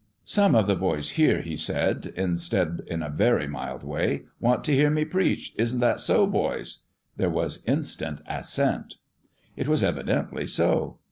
" Some of the boys, here," he said, instead, in a very mild way, " want to hear me preach. Isn't that so, boys?" There was in stant assent. It was evidently so.